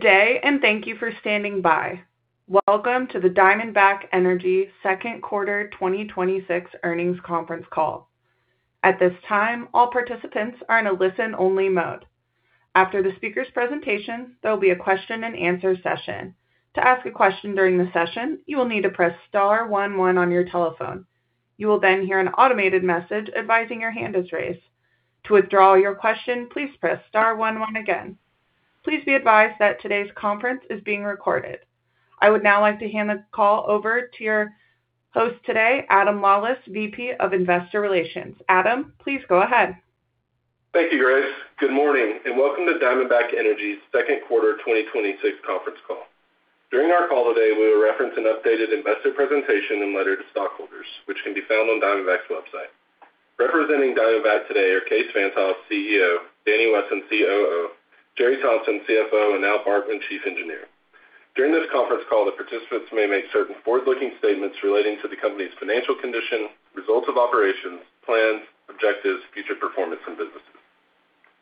Good day, thank you for standing by. Welcome to the Diamondback Energy Second Quarter 2026 earnings conference call. At this time, all participants are in a listen-only mode. After the speakers' presentation, there will be a question-and-answer session. To ask a question during the session, you will need to press star one one on your telephone. You will then hear an automated message advising your hand is raised. To withdraw your question, please press star one one again. Please be advised that today's conference is being recorded. I would now like to hand the call over to your host today, Adam Lawlis, VP of Investor Relations. Adam, please go ahead. Thank you, Grace. Good morning, welcome to Diamondback Energy's second quarter 2026 conference call. During our call today, we will reference an updated investor presentation and letter to stockholders, which can be found on Diamondback's website. Representing Diamondback today are Kaes Van't Hof, CEO; Danny Wesson, COO; Jere Thompson, CFO; Al Barkmann, Chief Engineer. During this conference call, the participants may make certain forward-looking statements relating to the company's financial condition, results of operations, plans, objectives, future performance, and businesses.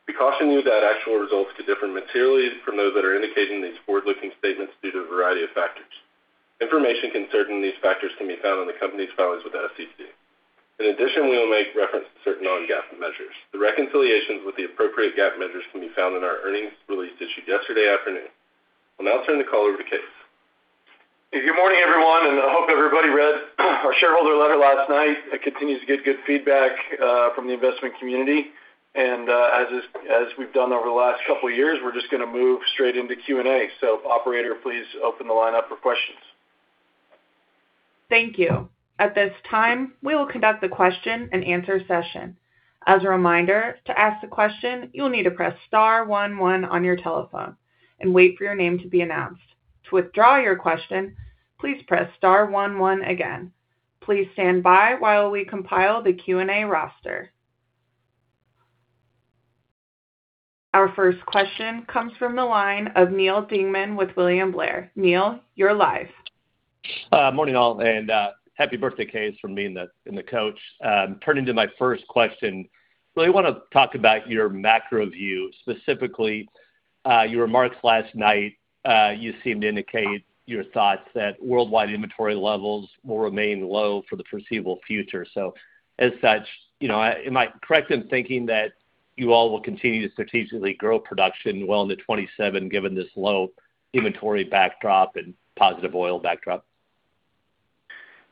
We caution you that actual results could differ materially from those that are indicated in these forward-looking statements due to a variety of factors. Information concerning these factors can be found in the company's filings with the SEC. We will make reference to certain non-GAAP measures. The reconciliations with the appropriate GAAP measures can be found in our earnings release issued yesterday afternoon. I'll now turn the call over to Kaes. Good morning, everyone, I hope everybody read our shareholder letter last night. I continue to get good feedback from the investment community. As we've done over the last couple of years, we're just going to move straight into Q&A. Operator, please open the line up for questions. Thank you. At this time, we will conduct a question-and-answer session. As a reminder, to ask the question, you'll need to press star one one on your telephone and wait for your name to be announced. To withdraw your question, please press star one one again. Please stand by while we compile the Q&A roster. Our first question comes from the line of Neal Dingmann with William Blair. Neal, you're live. Morning all, happy birthday, Kaes from me and the coach. Turning to my first question, really want to talk about your macro view, specifically your remarks last night. You seemed to indicate your thoughts that worldwide inventory levels will remain low for the foreseeable future. As such, am I correct in thinking that you all will continue to strategically grow production well into 2027 given this low inventory backdrop and positive oil backdrop?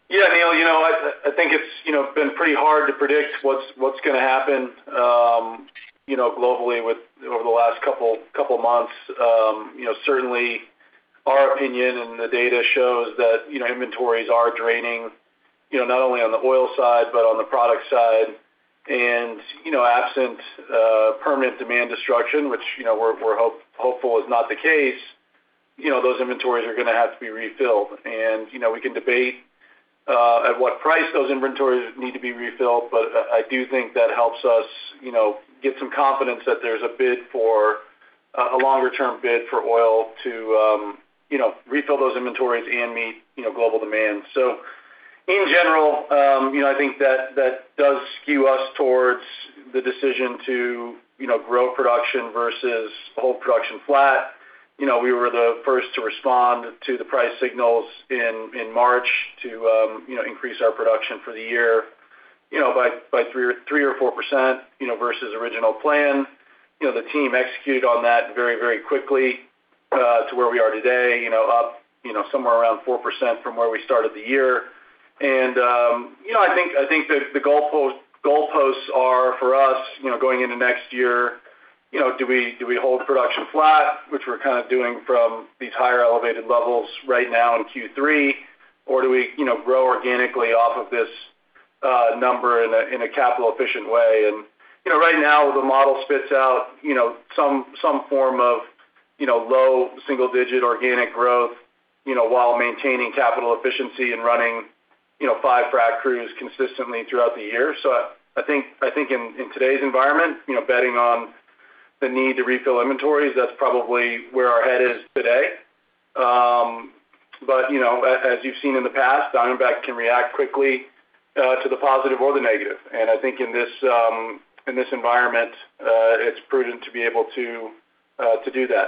Yeah, Neal, I think it's been pretty hard to predict what's going to happen globally over the last couple of months. Certainly our opinion and the data shows that inventories are draining, not only on the oil side, but on the product side. Absent permanent demand destruction, which we're hopeful is not the case, those inventories are going to have to be refilled. We can debate at what price those inventories need to be refilled, I do think that helps us get some confidence that there's a longer-term bid for oil to refill those inventories and meet global demand. In general, I think that does skew us towards the decision to grow production versus hold production flat. We were the first to respond to the price signals in March to increase our production for the year by 3% or 4% versus original plan. The team executed on that very quickly to where we are today, up somewhere around 4% from where we started the year. I think the goalposts are for us going into next year, do we hold production flat, which we're kind of doing from these higher elevated levels right now in Q3, or do we grow organically off of this number in a capital efficient way? Right now the model spits out some form of low single-digit organic growth while maintaining capital efficiency and running five frac crews consistently throughout the year. I think in today's environment, betting on the need to refill inventories, that's probably where our head is today. As you've seen in the past, Diamondback can react quickly to the positive or the negative. I think in this environment, it's prudent to be able to do that.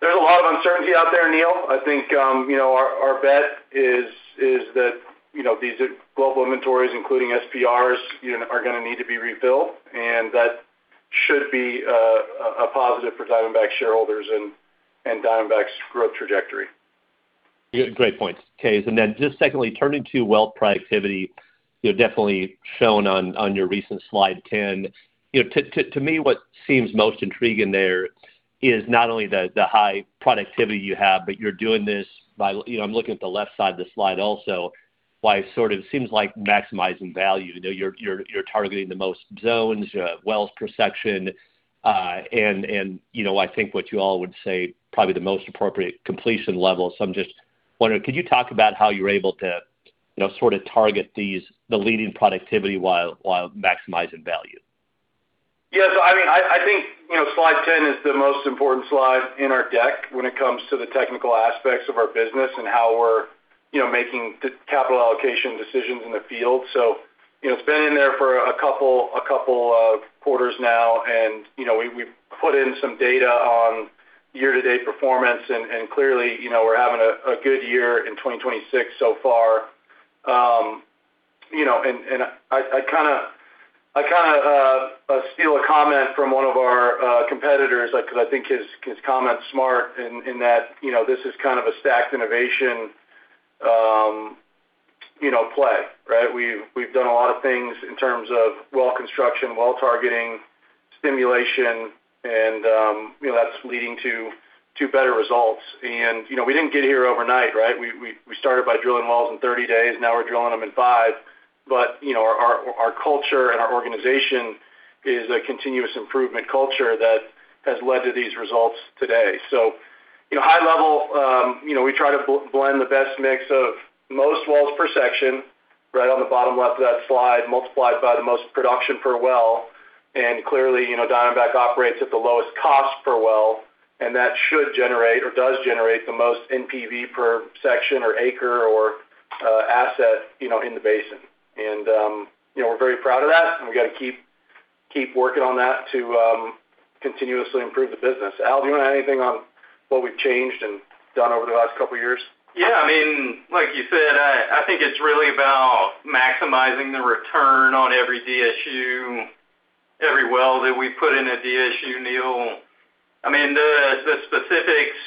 There's a lot of uncertainty out there, Neal. I think our bet is that these global inventories, including SPRs, are going to need to be refilled, and that should be a positive for Diamondback shareholders and Diamondback's growth trajectory. Great points, Kaes. Just secondly, turning to well productivity, definitely shown on your recent slide 10. To me what seems most intriguing there is not only the high productivity you have, but you're doing this by I'm looking at the left side of the slide also, why it sort of seems like maximizing value. You're targeting the most zones, wells per section, and I think what you all would say probably the most appropriate completion level. I'm just wondering, could you talk about how you're able to sort of target the leading productivity while maximizing value? Yeah. I think slide 10 is the most important slide in our deck when it comes to the technical aspects of our business and how we're making the capital allocation decisions in the field. It's been in there for a couple of quarters now, and we've put in some data on year-to-date performance, and clearly, we're having a good year in 2026 so far. I steal a comment from one of our competitors because I think his comment's smart in that this is kind of a stacked innovation play, right? We've done a lot of things in terms of well construction, well targeting, stimulation, and that's leading to better results. We didn't get here overnight, right? We started by drilling wells in 30 days. Now we're drilling them in five. Our culture and our organization is a continuous improvement culture that has led to these results today. High level, we try to blend the best mix of most wells per section, right on the bottom left of that slide, multiplied by the most production per well. Clearly, Diamondback operates at the lowest cost per well, and that should generate, or does generate, the most NPV per section or acre or asset in the basin. We're very proud of that, and we've got to keep working on that to continuously improve the business. Al, do you want to add anything on what we've changed and done over the last couple of years? Yeah, like you said, I think it's really about maximizing the return on every DSU, every well that we put in a DSU, Neal. The specifics,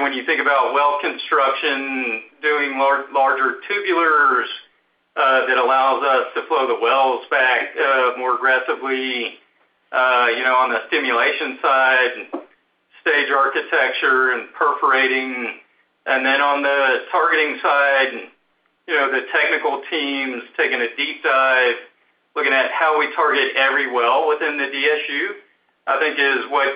when you think about well construction, doing larger tubulars, that allows us to flow the wells back more aggressively on the stimulation side and stage architecture and perforating. Then on the targeting side, the technical teams taking a deep dive, looking at how we target every well within the DSU, I think is what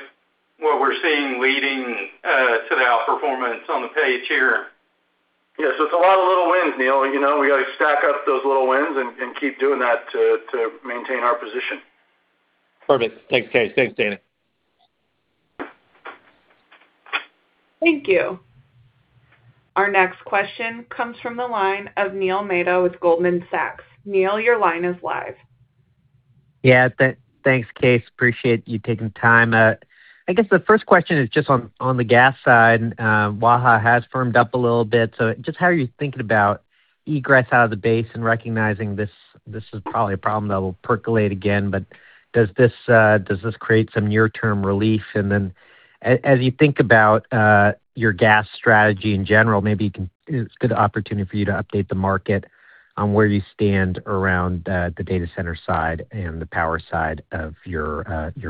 we're seeing leading to the outperformance on the page here. Yeah. It's a lot of little wins, Neal. We got to stack up those little wins and keep doing that to maintain our position. Perfect. Thanks, Kaes. Thanks, Danny. Thank you. Our next question comes from the line of Neil Mehta with Goldman Sachs. Neil, your line is live. Thanks, Kaes. Appreciate you taking time. I guess the first question is just on the gas side. Waha has firmed up a little bit. Just how are you thinking about egress out of the base and recognizing this is probably a problem that will percolate again, but does this create some near-term relief? As you think about your gas strategy in general, maybe it's a good opportunity for you to update the market on where you stand around the data center side and the power side of your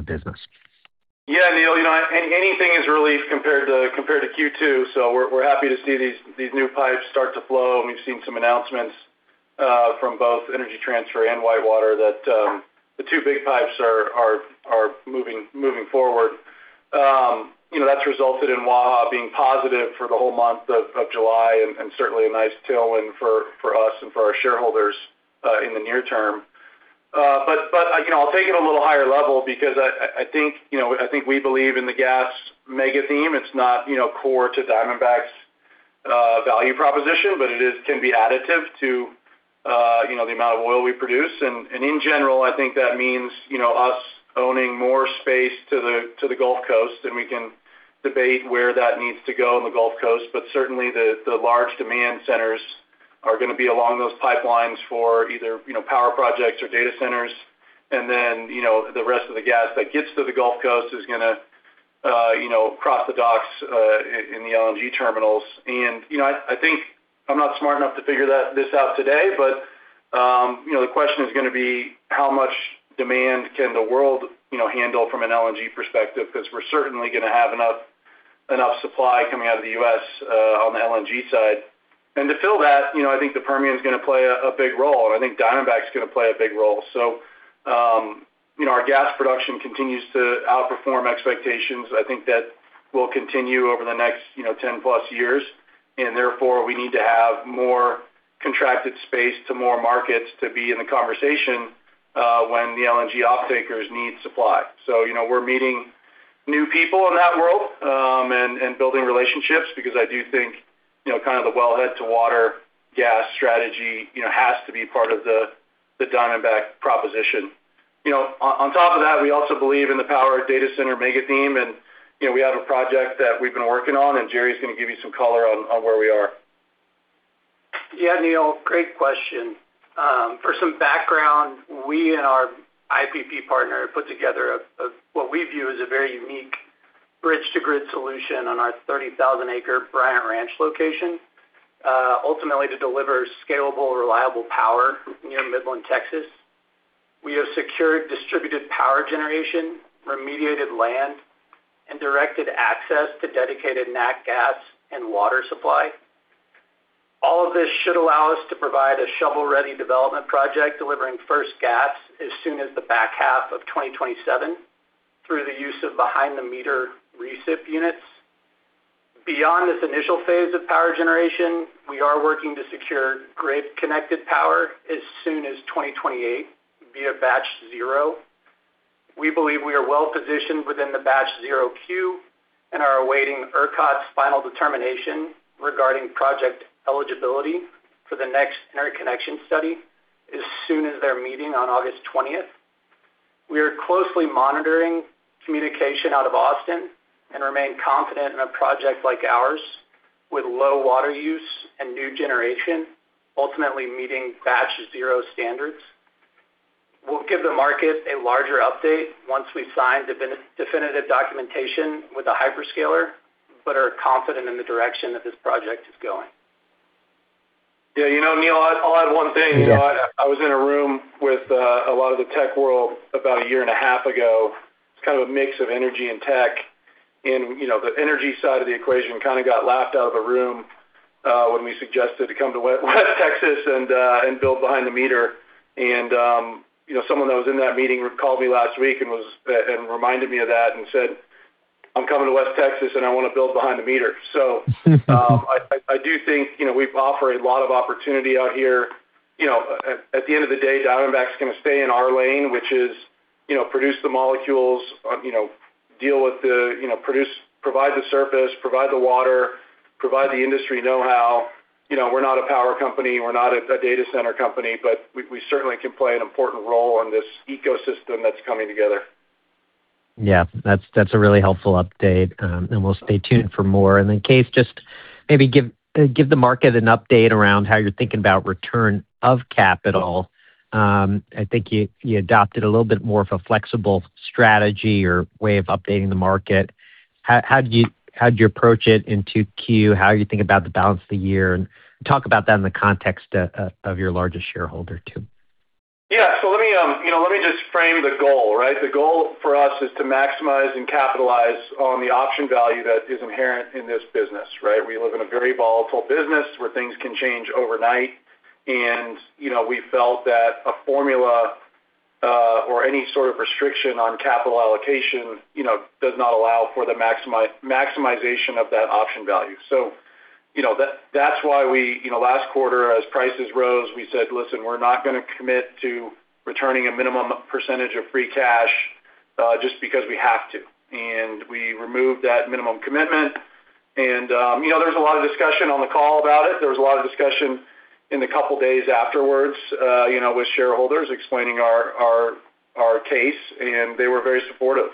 business. Neil, anything is relief compared to Q2. We're happy to see these new pipes start to flow, and we've seen some announcements from both Energy Transfer and WhiteWater that the two big pipes are moving forward. That's resulted in Waha being positive for the whole month of July and certainly a nice tailwind for us and for our shareholders in the near term. I'll take it a little higher level because I think we believe in the gas mega-theme. It's not core to Diamondback's value proposition, but it can be additive to the amount of oil we produce. In general, I think that means us owning more space to the Gulf Coast, and we can debate where that needs to go in the Gulf Coast, but certainly the large demand centers are going to be along those pipelines for either power projects or data centers. The rest of the gas that gets to the Gulf Coast is going to cross the docks in the LNG terminals. I think I'm not smart enough to figure this out today, but the question is going to be how much demand can the world handle from an LNG perspective? Because we're certainly going to have enough supply coming out of the U.S. on the LNG side. To fill that, I think the Permian's going to play a big role, and I think Diamondback's going to play a big role. Our gas production continues to outperform expectations. I think that will continue over the next 10+ years, and therefore, we need to have more contracted space to more markets to be in the conversation when the LNG off-takers need supply. We're meeting new people in that world and building relationships because I do think the wellhead to water gas strategy has to be part of the Diamondback proposition. On top of that, we also believe in the power data center mega-theme, and we have a project that we've been working on, and Jere's going to give you some color on where we are. Yeah, Neil, great question. For some background, we and our IPP partner have put together what we view as a very unique bridge-to-grid solution on our 30,000 acre Bryant Ranch location, ultimately to deliver scalable, reliable power near Midland, Texas. We have secured distributed power generation, remediated land, and directed access to dedicated nat gas and water supply. All of this should allow us to provide a shovel-ready development project delivering first gas as soon as the back half of 2027 through the use of behind the meter recip units. Beyond this initial phase of power generation, we are working to secure grid-connected power as soon as 2028 via Batch Zero. We believe we are well-positioned within the Batch Zero queue and are awaiting ERCOT's final determination regarding project eligibility for the next interconnection study as soon as their meeting on August 20th. We are closely monitoring communication out of Austin and remain confident in a project like ours, with low water use and new generation, ultimately meeting Batch Zero standards. We'll give the market a larger update once we've signed definitive documentation with the hyperscaler, are confident in the direction that this project is going. Yeah. Neil, I'll add one thing. Yeah. I was in a room with a lot of the tech world about a year and a half ago. It's kind of a mix of energy and tech, the energy side of the equation kind of got laughed out of a room when we suggested to come to West Texas and build behind the meter. Someone that was in that meeting called me last week and reminded me of that and said, "I'm coming to West Texas, and I want to build behind the meter." I do think we offer a lot of opportunity out here. At the end of the day, Diamondback's going to stay in our lane, which is produce the molecules, provide the surface, provide the water, provide the industry knowhow. We're not a power company, we're not a data center company, we certainly can play an important role in this ecosystem that's coming together. Yeah, that's a really helpful update, we'll stay tuned for more. Kaes, just maybe give the market an update around how you're thinking about return of capital. I think you adopted a little bit more of a flexible strategy or way of updating the market. How'd you approach it in 2Q? How are you think about the balance of the year, and talk about that in the context of your largest shareholder too? Yeah. Let me just frame the goal, right? The goal for us is to maximize and capitalize on the option value that is inherent in this business, right? We live in a very volatile business where things can change overnight, we felt that a formula, or any sort of restriction on capital allocation does not allow for the maximization of that option value. That's why last quarter as prices rose, we said, "Listen, we're not going to commit to returning a minimum percentage of free cash, just because we have to." We removed that minimum commitment. There was a lot of discussion on the call about it. There was a lot of discussion in the couple of days afterwards with shareholders explaining our case, and they were very supportive.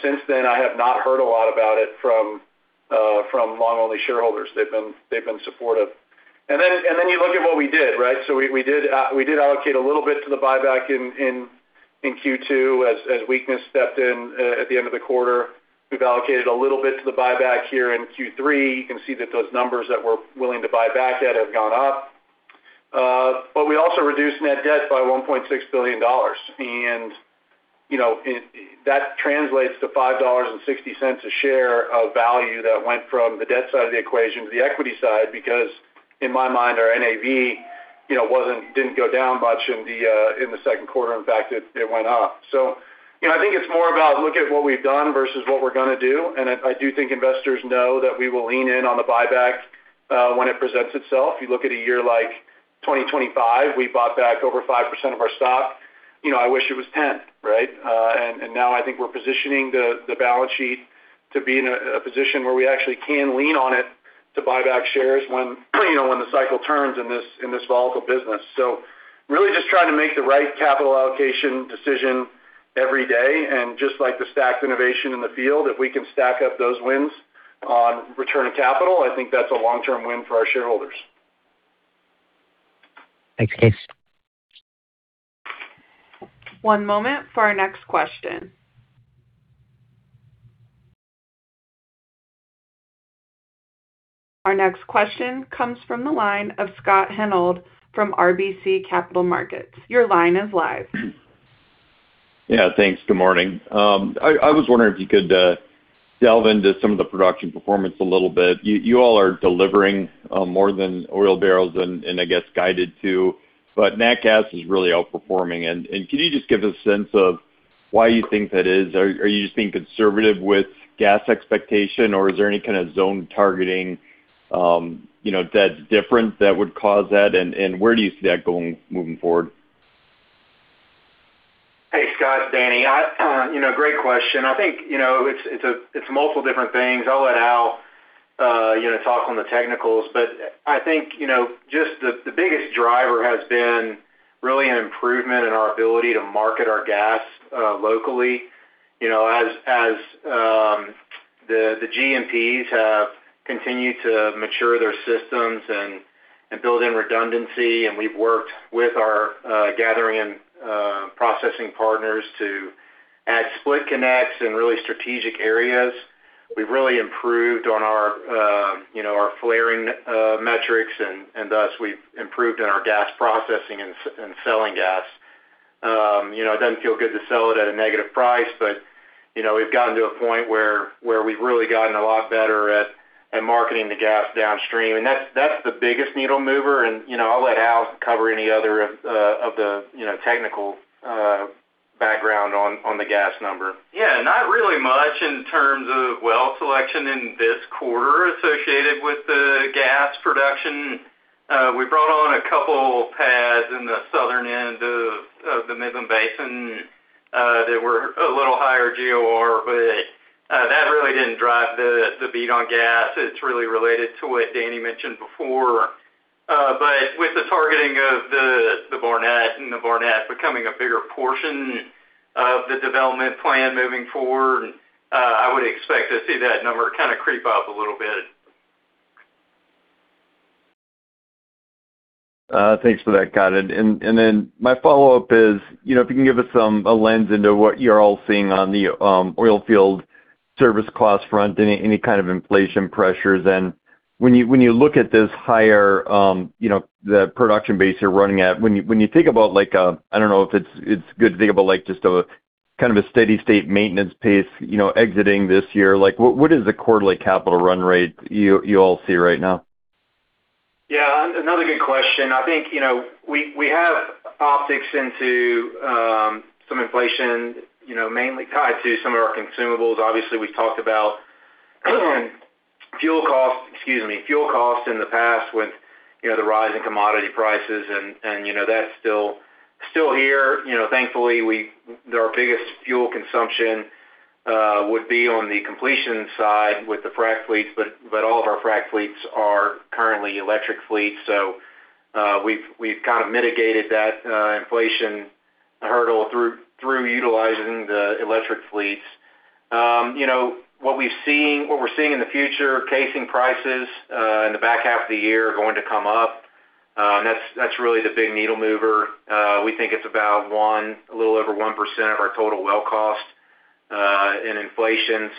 Since then, I have not heard a lot about it from long-only shareholders. They've been supportive. You look at what we did, right? We did allocate a little bit to the buyback in Q2 as weakness stepped in at the end of the quarter. We've allocated a little bit to the buyback here in Q3. You can see that those numbers that we're willing to buy back at have gone up. But we also reduced net debt by $1.6 billion. That translates to $5.60 a share of value that went from the debt side of the equation to the equity side, because in my mind, our NAV didn't go down much in the second quarter. In fact, it went up. I think it's more about look at what we've done versus what we're going to do. I do think investors know that we will lean in on the buyback when it presents itself. You look at a year like 2025, we bought back over 5% of our stock. I wish it was 10, right? Now I think we're positioning the balance sheet to be in a position where we actually can lean on it to buy back shares when the cycle turns in this volatile business. Really just trying to make the right capital allocation decision every day. Just like the stacked innovation in the field, if we can stack up those wins on return of capital, I think that's a long-term win for our shareholders. Thanks, Kaes. One moment for our next question. Our next question comes from the line of Scott Hanold from RBC Capital Markets. Your line is live. Yeah, thanks. Good morning. I was wondering if you could delve into some of the production performance a little bit. You all are delivering more than oil barrels and I guess guided too, but nat gas is really outperforming. Can you just give a sense of why you think that is? Are you just being conservative with gas expectation, or is there any kind of zone targeting that's different that would cause that, and where do you see that going moving forward? Hey, Scott, it is Danny. Great question. I think it is multiple different things. I will let Al talk on the technicals, but I think just the biggest driver has been really an improvement in our ability to market our gas locally. As the G&Ps have continued to mature their systems and build in redundancy, we have worked with our gathering and processing partners to add split connects in really strategic areas. We have really improved on our flaring metrics, thus we have improved on our gas processing and selling gas. It does not feel good to sell it at a negative price, but we have gotten to a point where we have really gotten a lot better at marketing the gas downstream. That is the biggest needle mover. I will let Al cover any other of the technical background on the gas number. Yeah, not really much in terms of well selection in this quarter associated with the gas production. A couple pads in the southern end of the Midland Basin that were a little higher GOR, but that really did not drive the bead on gas. It is really related to what Danny mentioned before. With the targeting of the Barnett, the Barnett becoming a bigger portion of the development plan moving forward, I would expect to see that number kind of creep up a little bit. Thanks for that, Color. My follow-up is, if you can give us a lens into what you are all seeing on the oil field service cost front, any kind of inflation pressures. When you look at this higher production base you are running at, when you think about, I do not know if it is good to think about just a kind of a steady state maintenance pace exiting this year, what is the quarterly capital run rate you all see right now? Yeah, another good question. I think, we have optics into some inflation, mainly tied to some of our consumables. Obviously, we talked about fuel costs, excuse me, fuel costs in the past with the rise in commodity prices and that's still here. Thankfully, our biggest fuel consumption would be on the completion side with the frack fleets, but all of our frack fleets are currently electric fleets. We've kind of mitigated that inflation hurdle through utilizing the electric fleets. What we're seeing in the future, casing prices in the back half of the year are going to come up. That's really the big needle mover. We think it's about a little over 1% of our total well cost, in inflation.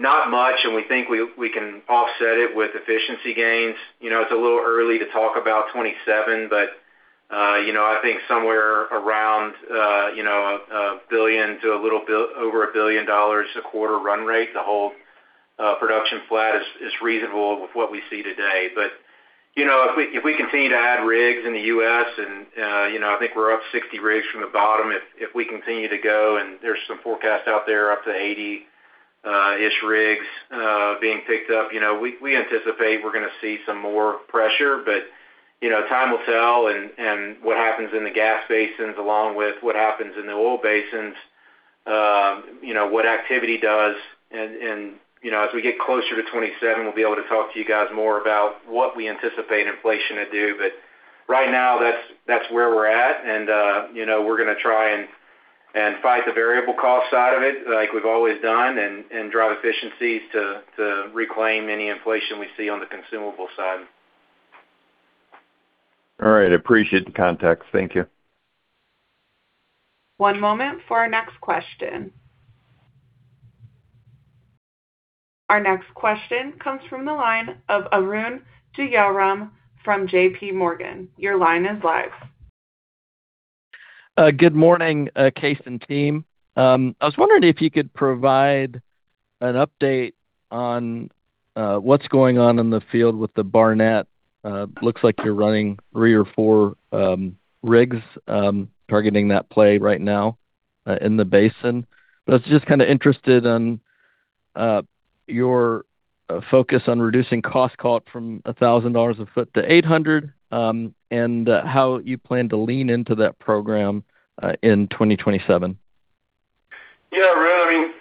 Not much, and we think we can offset it with efficiency gains. It's a little early to talk about 2027, I think somewhere around a billion to a little over billion dollars a quarter run rate to hold production flat is reasonable with what we see today. If we continue to add rigs in the U.S., and I think we're up 60 rigs from the bottom. If we continue to go, and there's some forecasts out there up to 80-ish rigs being picked up. We anticipate we're gonna see some more pressure, time will tell and what happens in the gas basins along with what happens in the oil basins, what activity does and as we get closer to 2027, we'll be able to talk to you guys more about what we anticipate inflation to do. Right now, that's where we're at and we're gonna try and fight the variable cost side of it like we've always done and drive efficiencies to reclaim any inflation we see on the consumable side. All right. I appreciate the context. Thank you. One moment for our next question. Our next question comes from the line of Arun Jayaram from JPMorgan. Your line is live. Good morning, Kaes and team. I was wondering if you could provide an update on what's going on in the field with the Barnett. Looks like you're running three or four rigs, targeting that play right now, in the basin. I was just kind of interested on your focus on reducing cost call from $1,000 a foot to $800, and how you plan to lean into that program in 2027. Arun,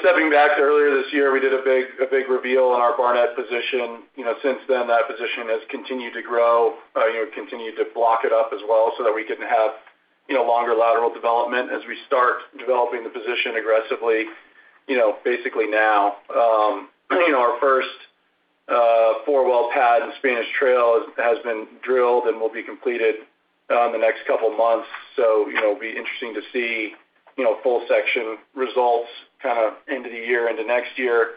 stepping back to earlier this year, we did a big reveal on our Barnett position. Since then, that position has continued to grow, continued to block it up as well so that we can have longer lateral development as we start developing the position aggressively, basically now. Our first four-well pad in Spanish Trail has been drilled and will be completed in the next couple months. It'll be interesting to see full section results kind of into the year, into next year.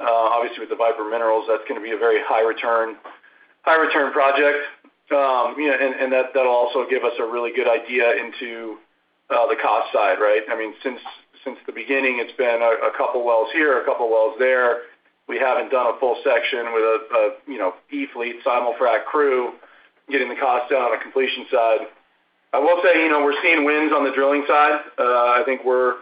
Obviously, with the Viper Minerals, that's gonna be a very high return project. That'll also give us a really good idea into the cost side, right? Since the beginning, it's been a couple wells here, a couple wells there. We haven't done a full section with e-fleet simul-frac crew getting the costs down on the completion side. I will say, we're seeing wins on the drilling side. I think we're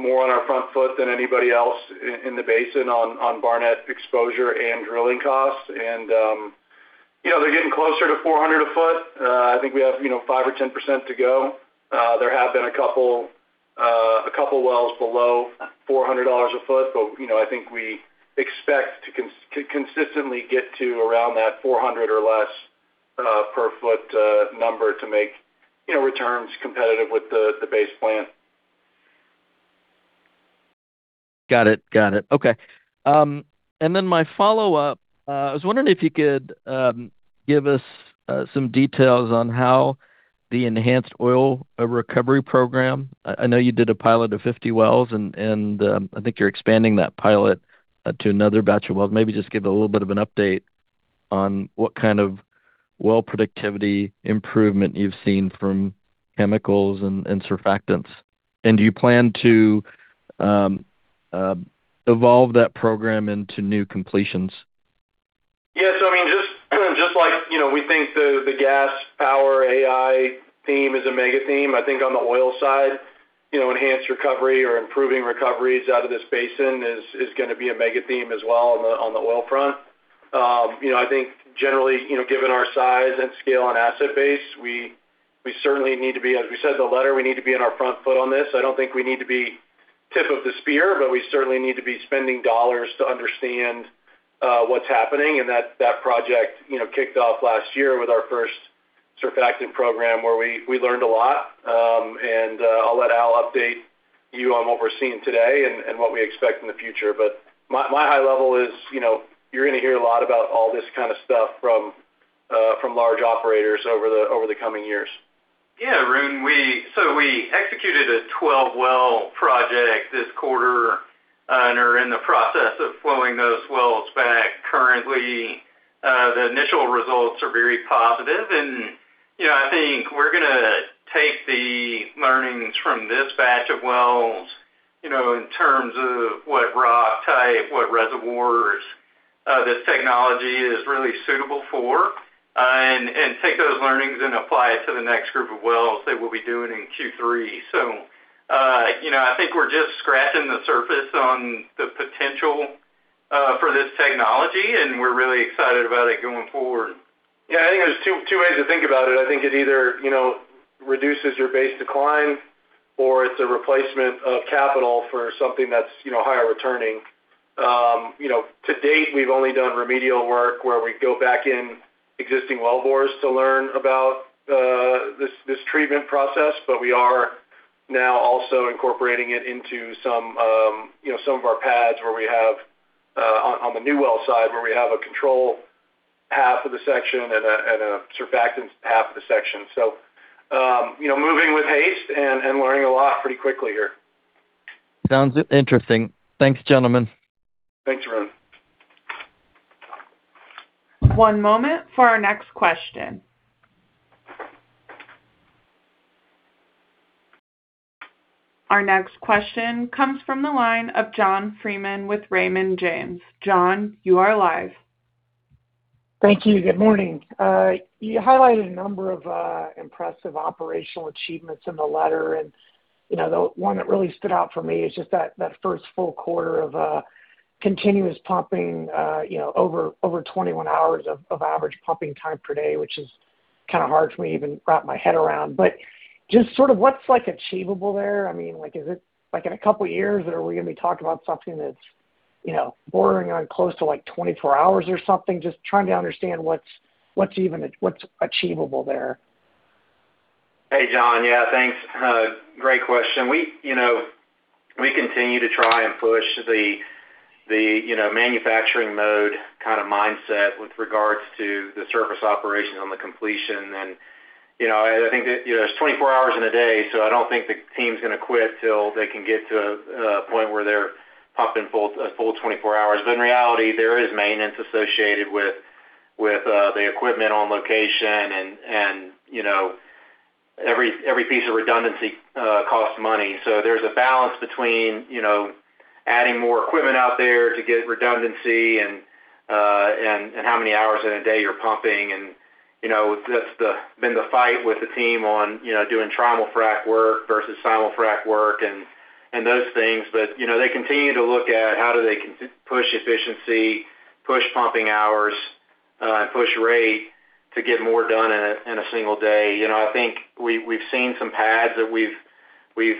more on our front foot than anybody else in the basin on Barnett exposure and drilling costs. They're getting closer to $400 a foot. I think we have 5% or 10% to go. There have been a couple wells below $400 a foot, I think we expect to consistently get to around that $400 or less per foot number to make returns competitive with the base plan. Got it. Okay. Then my follow-up, I was wondering if you could give us some details on how the enhanced oil recovery program. I know you did a pilot of 50 wells, and I think you're expanding that pilot to another batch of wells. Maybe just give a little bit of an update on what kind of well productivity improvement you've seen from chemicals and surfactants. Do you plan to evolve that program into new completions? Yeah. Just like we think the gas power theme is a mega theme. I think on the oil side, enhanced recovery or improving recoveries out of this basin is going to be a mega theme as well on the oil front. I think generally, given our size and scale and asset base, we certainly need to be, as we said in the letter, we need to be on our front foot on this. I don't think we need to be tip of the spear, but we certainly need to be spending dollars to understand what's happening. That project kicked off last year with our first surfactant program, where we learned a lot. I'll let Al update you on what we're seeing today and what we expect in the future. My high level is you're going to hear a lot about all this kind of stuff from large operators over the coming years. Yeah, Arun. We executed a 12-well project this quarter and are in the process of flowing those wells back. Currently, the initial results are very positive, and I think we're going to take the learnings from this batch of wells, in terms of what rock type, what reservoirs this technology is really suitable for, and take those learnings and apply it to the next group of wells that we'll be doing in Q3. I think we're just scratching the surface on the potential for this technology, and we're really excited about it going forward. Yeah, I think there's two ways to think about it. I think it either reduces your base decline or it's a replacement of capital for something that's higher returning. To date, we've only done remedial work where we go back in existing well bores to learn about this treatment process. We are now also incorporating it into some of our pads on the new well side, where we have a control half of the section and a surfactants half of the section. Moving with haste and learning a lot pretty quickly here. Sounds interesting. Thanks, gentlemen. Thanks, Arun. One moment for our next question. Our next question comes from the line of John Freeman with Raymond James. John, you are live. Thank you. Good morning. You highlighted a number of impressive operational achievements in the letter, the one that really stood out for me is just that first full quarter of continuous pumping over 21 hours of average pumping time per day, which is kind of hard for me to even wrap my head around. Just sort of what's achievable there? I mean, like, is it in a couple of years, are we going to be talking about something that's bordering on close to 24 hours or something? Just trying to understand what's achievable there. Hey, John. Yeah, thanks. Great question. We continue to try and push the manufacturing mode kind of mindset with regards to the surface operation on the completion. I think there's 24 hours in a day, so I don't think the team's going to quit till they can get to a point where they're pumping a full 24 hours. In reality, there is maintenance associated with the equipment on location, and every piece of redundancy costs money. There's a balance between adding more equipment out there to get redundancy and how many hours in a day you're pumping, and that's been the fight with the team on doing trimul frac work versus simul-frac work and those things. They continue to look at how do they push efficiency, push pumping hours, push rate to get more done in a single day. I think we've seen some pads that we've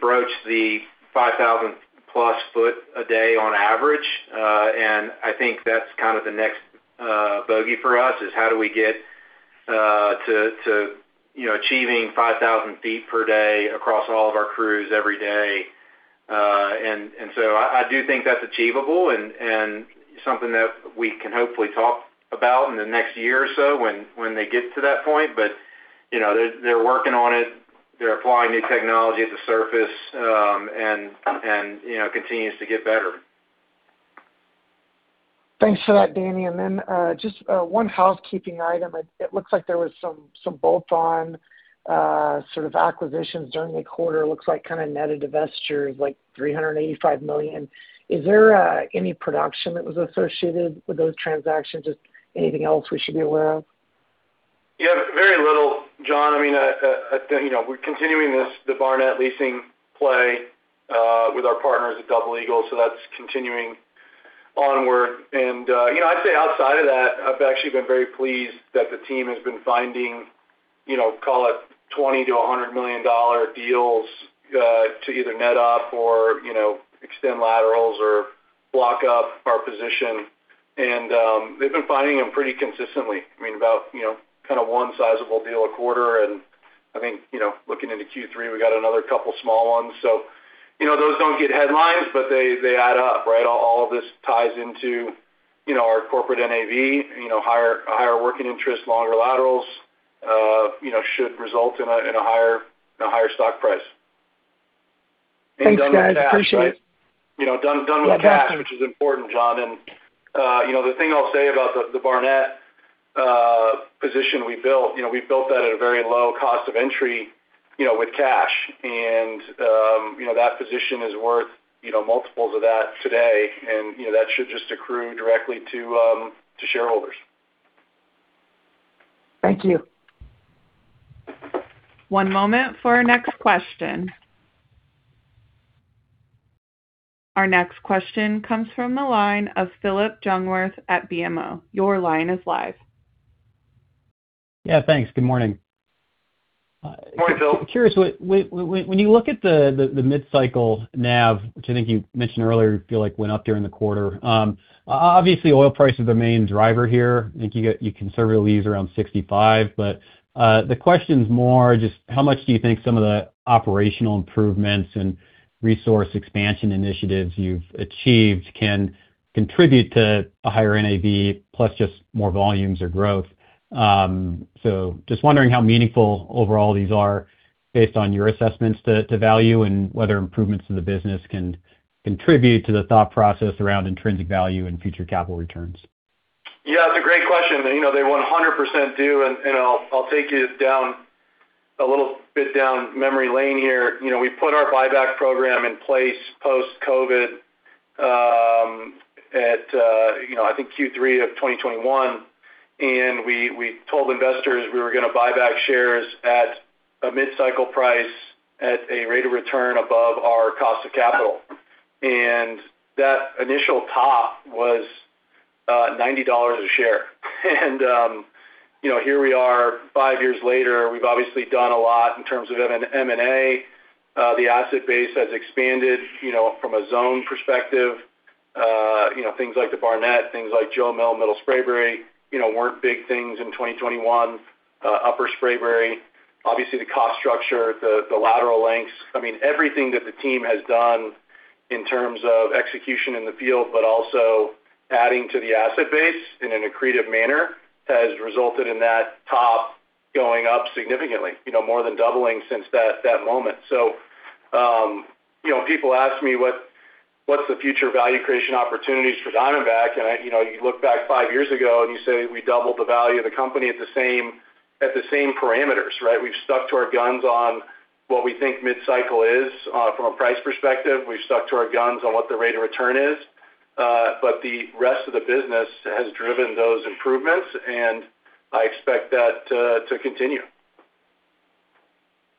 broached the 5,000 plus foot a day on average. I think that's kind of the next bogey for us is how do we get to achieving 5,000 ft per day across all of our crews every day. I do think that's achievable and something that we can hopefully talk about in the next year or so when they get to that point. They're working on it. They're applying new technology at the surface, continues to get better. Thanks for that, Danny. Just one housekeeping item. It looks like there was some bolt-on sort of acquisitions during the quarter. Looks like kind of netted investor is like $385 million. Is there any production that was associated with those transactions? Just anything else we should be aware of? Very little, John. I think we're continuing the Barnett leasing play with our partners at Double Eagle, so that's continuing onward. I'd say outside of that, I've actually been very pleased that the team has been finding, call it $20 million-$100 million deals to either net off or extend laterals or block up our position. They've been finding them pretty consistently. About kind of one sizable deal a quarter. I think looking into Q3, we got another couple small ones. Those don't get headlines, but they add up, right? All of this ties into our corporate NAV, higher working interest, longer laterals should result in a higher stock price. Thanks, guys. Appreciate it. Done with cash. Thanks. Which is important, John. The thing I'll say about the Barnett position we built, we built that at a very low cost of entry with cash. That position is worth multiples of that today, and that should just accrue directly to shareholders. Thank you. One moment for our next question. Our next question comes from the line of Phillip Jungwirth at BMO. Your line is live. Yeah, thanks. Good morning. Good morning, Phil. I'm curious, when you look at the mid-cycle NAV, which I think you mentioned earlier, you feel like went up during the quarter. Obviously, oil price is the main driver here. I think you conservatively use around $65, but the question is more just how much do you think some of the operational improvements and resource expansion initiatives you've achieved can contribute to a higher NAV plus just more volumes or growth? Just wondering how meaningful overall these are based on your assessments to value and whether improvements in the business can contribute to the thought process around intrinsic value and future capital returns. Yeah, it's a great question. They 100% do. I'll take you a little bit down memory lane here. We put our buyback program in place post-COVID at I think Q3 of 2021. We told investors we were going to buy back shares at a mid-cycle price at a rate of return above our cost of capital. That initial top was $90 a share. Here we are five years later. We've obviously done a lot in terms of M&A. The asset base has expanded from a zone perspective. Things like the Barnett, things like Jo Mill, Middle Spraberry, weren't big things in 2021. Upper Spraberry, obviously the cost structure, the lateral lengths, everything that the team has done in terms of execution in the field, also adding to the asset base in an accretive manner, has resulted in that top going up significantly, more than doubling since that moment. People ask me what's the future value creation opportunities for Diamondback? You look back five years ago and you say we doubled the value of the company at the same parameters, right? We've stuck to our guns on what we think mid cycle is from a price perspective. We've stuck to our guns on what the rate of return is. The rest of the business has driven those improvements, and I expect that to continue. No,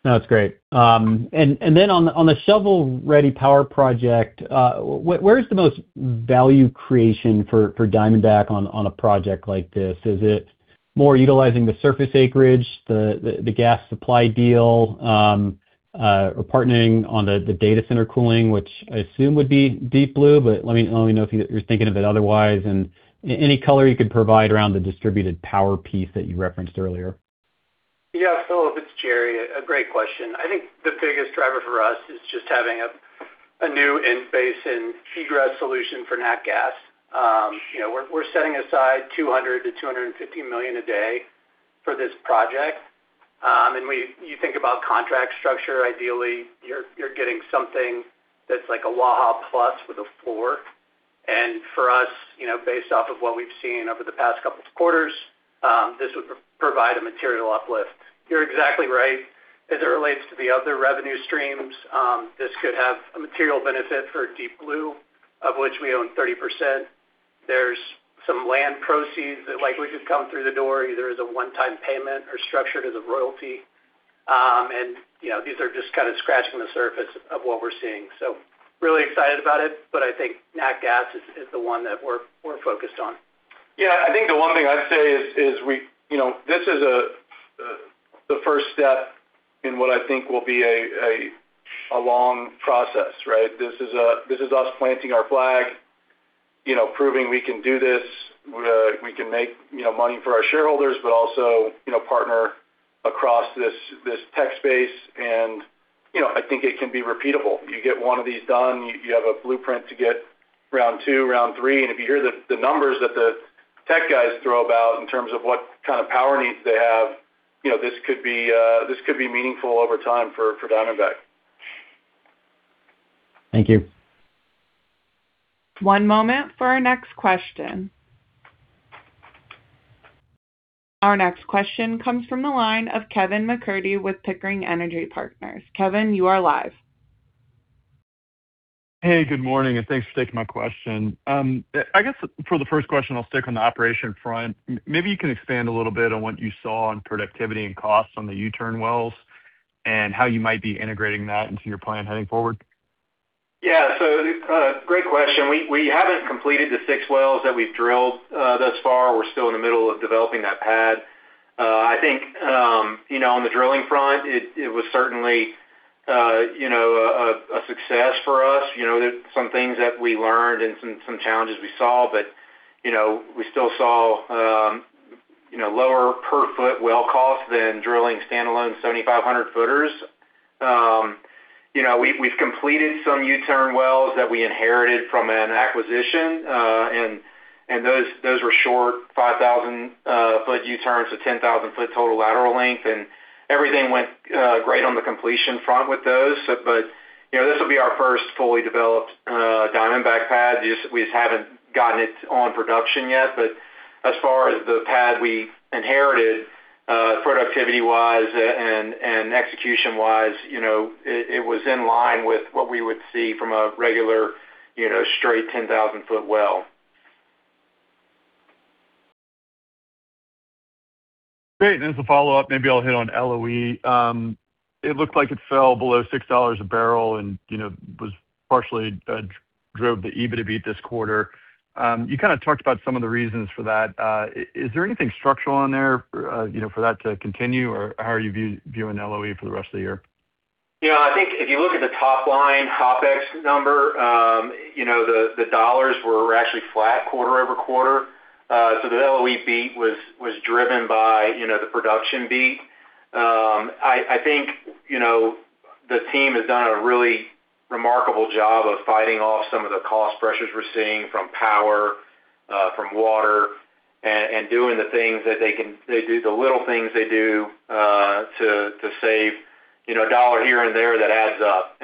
that's great. On the shovel-ready power project, where is the most value creation for Diamondback on a project like this? Is it more utilizing the surface acreage, the gas supply deal, or partnering on the data center cooling, which I assume would be Deep Blue, but let me know if you're thinking of it otherwise. Any color you could provide around the distributed power piece that you referenced earlier. Yeah, Phillip, it's Jere. A great question. I think the biggest driver for us is just having a new in-basin feed gas solution for nat gas. We're setting aside $200 million-$250 million a day for this project. You think about contract structure, ideally, you're getting something that's like a Wahz plus with a floor. For us, based off of what we've seen over the past couple of quarters, this would provide a material uplift. You're exactly right. As it relates to the other revenue streams, this could have a material benefit for Deep Blue, of which we own 30%. There's some land proceeds that likely could come through the door, either as a one-time payment or structured as a royalty. These are just kind of scratching the surface of what we're seeing. Really excited about it, but I think nat gas is the one that we're focused on. Yeah, I think the one thing I'd say is this is the first step in what I think will be a long process, right? This is us planting our flag, proving we can do this. We can make money for our shareholders, but also partner across this tech space. I think it can be repeatable. You get one of these done, you have a blueprint to get round two, round three. If you hear the numbers that the tech guys throw about in terms of what kind of power needs they have, this could be meaningful over time for Diamondback. Thank you. One moment for our next question. Our next question comes from the line of Kevin MacCurdy with Pickering Energy Partners. Kevin, you are live. Hey, good morning. Thanks for taking my question. I guess for the first question, I'll stick on the operation front. Maybe you can expand a little bit on what you saw on productivity and costs on the U-turn wells and how you might be integrating that into your plan heading forward. Yeah. Great question. We haven't completed the six wells that we've drilled thus far. We're still in the middle of developing that pad. I think on the drilling front, it was certainly a success for us. There's some things that we learned and some challenges we saw, but we still saw lower per foot well cost than drilling standalone 7,500-footers. We've completed some U-turn wells that we inherited from an acquisition. Those were short 5,000-foot U-turns, so 10,000-foot total lateral length. Everything went great on the completion front with those. This will be our first fully developed Diamondback pad. We just haven't gotten it on production yet. As far as the pad we inherited, productivity-wise and execution-wise, it was in line with what we would see from a regular straight 10,000-foot well. Great. As a follow-up, maybe I'll hit on LOE. It looked like it fell below $6 a barrel and partially drove the EBITDA beat this quarter. You kind of talked about some of the reasons for that. Is there anything structural in there for that to continue, or how are you viewing LOE for the rest of the year? Yeah, I think if you look at the top-line OpEx number, the dollars were actually flat quarter-over-quarter. The LOE beat was driven by the production beat. I think the team has done a really remarkable job of fighting off some of the cost pressures we're seeing from power, from water, and doing the things that they can. They do the little things they do to save a dollar here and there that adds up.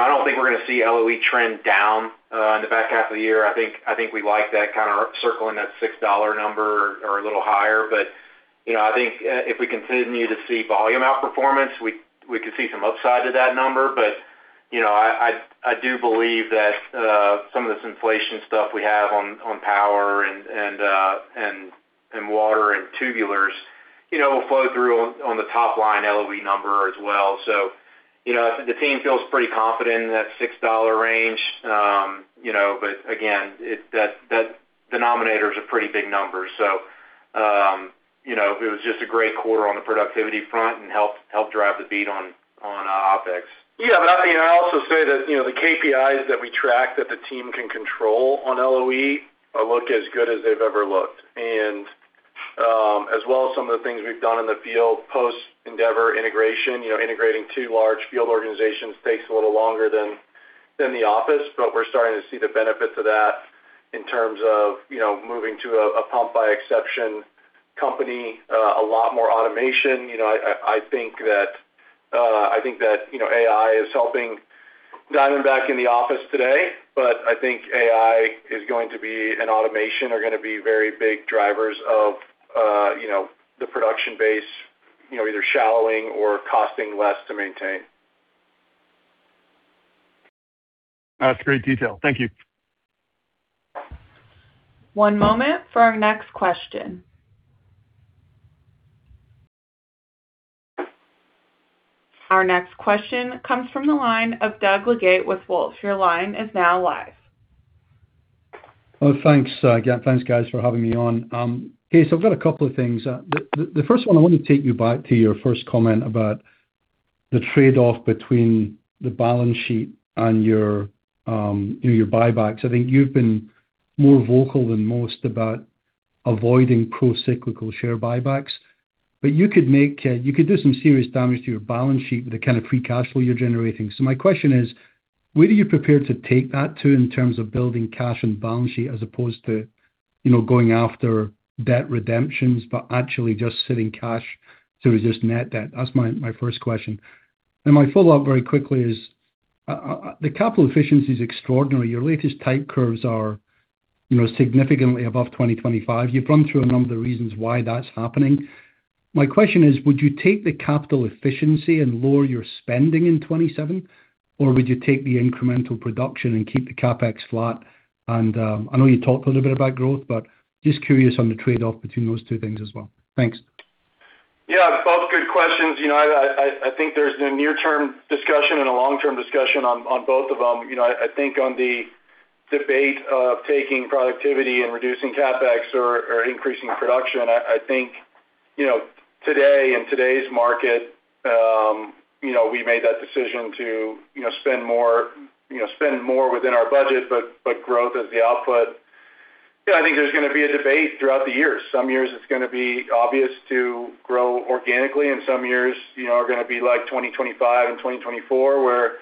I don't think we're going to see LOE trend down in the back half of the year. I think we like that kind of circling that $6 number or a little higher. I think if we continue to see volume outperformance, we could see some upside to that number. I do believe that some of this inflation stuff we have on power and water and tubulars will flow through on the top-line LOE number as well. The team feels pretty confident in that $6 range. Again, that denominator is a pretty big number. It was just a great quarter on the productivity front and helped drive the beat on OpEx. Yeah, I also say that the KPIs that we track that the team can control on LOE look as good as they've ever looked. As well as some of the things we've done in the field post-Endeavor integration. Integrating two large field organizations takes a little longer than the office, but we're starting to see the benefits of that in terms of moving to a pump-by-exception company, a lot more automation. I think that AI is helping Diamondback in the office today, but I think AI and automation are going to be very big drivers of the production base, either shallowing or costing less to maintain. That's great detail. Thank you. One moment for our next question. Our next question comes from the line of Doug Leggate with Wolfe. Your line is now live. Thanks. Thanks, guys, for having me on. Okay, I've got a couple of things. The first one, I want to take you back to your first comment about the trade-off between the balance sheet and your buybacks. I think you've been more vocal than most about avoiding procyclical share buybacks. You could do some serious damage to your balance sheet with the kind of free cash flow you're generating. My question is, where are you prepared to take that to in terms of building cash and balance sheet as opposed to going after debt redemptions, but actually just sitting cash to just net debt? That's my first question. My follow-up very quickly is the capital efficiency is extraordinary. Your latest type curves are significantly above 2025. You've run through a number of the reasons why that's happening. My question is, would you take the capital efficiency and lower your spending in 2027, or would you take the incremental production and keep the CapEx flat? I know you talked a little bit about growth, but just curious on the trade-off between those two things as well. Thanks. Yeah, both good questions. I think there's a near-term discussion and a long-term discussion on both of them. I think on the debate of taking productivity and reducing CapEx or increasing production, I think today in today's market, we made that decision to spend more within our budget, but growth as the output. I think there's going to be a debate throughout the years. Some years it's going to be obvious to grow organically, and some years are going to be like 2025 and 2024, where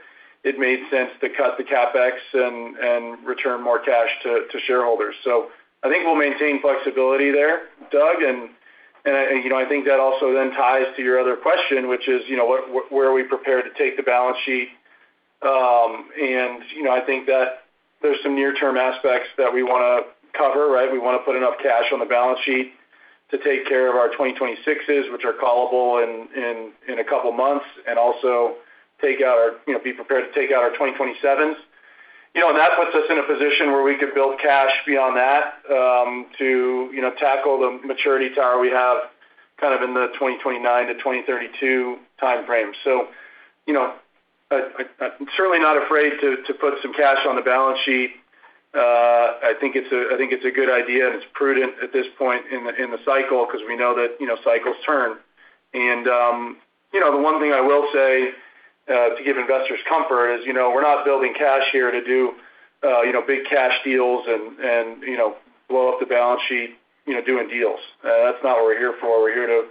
it made sense to cut the CapEx and return more cash to shareholders. I think we'll maintain flexibility there, Doug, and I think that also then ties to your other question, which is where are we prepared to take the balance sheet? I think that there's some near-term aspects that we want to cover, right? We want to put enough cash on the balance sheet to take care of our 2026s, which are callable in a couple of months, and also be prepared to take out our 2027s. That puts us in a position where we could build cash beyond that to tackle the maturity tower we have kind of in the 2029 to 2032 timeframe. I'm certainly not afraid to put some cash on the balance sheet. I think it's a good idea, and it's prudent at this point in the cycle because we know that cycles turn. The one thing I will say to give investors comfort is we're not building cash here to do big cash deals and blow up the balance sheet doing deals. That's not what we're here for. We still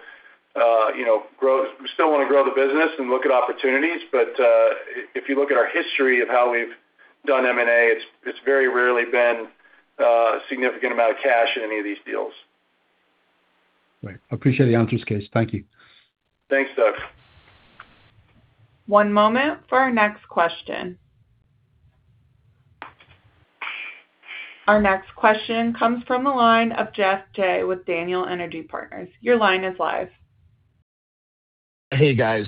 want to grow the business and look at opportunities. If you look at our history of how we've done M&A, it's very rarely been a significant amount of cash in any of these deals. Right. I appreciate the answers, Kaes. Thank you. Thanks, Doug. One moment for our next question. Our next question comes from the line of Geoff Jay with Daniel Energy Partners. Your line is live. Hey, guys.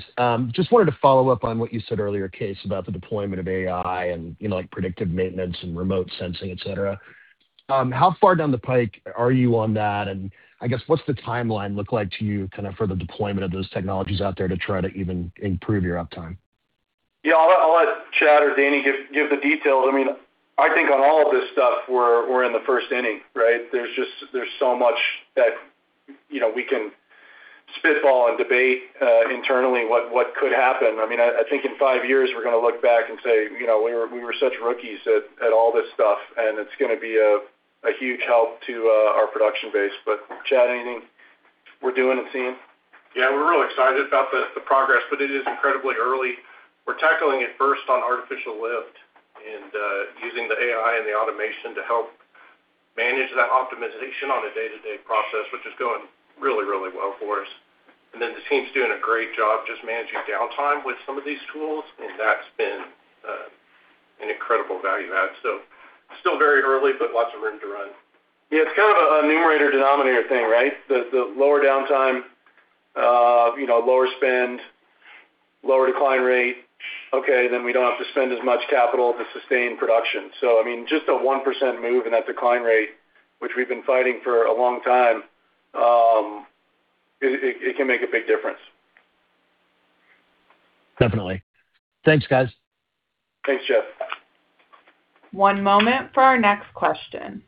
Just wanted to follow up on what you said earlier, Kaes, about the deployment of AI and predictive maintenance and remote sensing, et cetera. How far down the pike are you on that, and I guess what's the timeline look like to you for the deployment of those technologies out there to try to even improve your uptime? Yeah, I'll let Chad or Danny give the details. I think on all of this stuff, we're in the first inning, right? There's so much that we can spitball and debate internally what could happen. I think in five years, we're going to look back and say, "We were such rookies at all this stuff," and it's going to be a huge help to our production base. Chad, anything we're doing and seeing? Yeah, we're really excited about the progress, but it is incredibly early. We're tackling it first on artificial lift and using the AI and the automation to help manage that optimization on a day-to-day process, which is going really well for us. The team's doing a great job just managing downtime with some of these tools, and that's been an incredible value add. Still very early, but lots of room to run. Yeah, it's kind of a numerator-denominator thing, right? The lower downtime, lower spend, lower decline rate. Okay, we don't have to spend as much capital to sustain production. Just a 1% move in that decline rate, which we've been fighting for a long time, it can make a big difference. Definitely. Thanks, guys. Thanks, Geoff. One moment for our next question.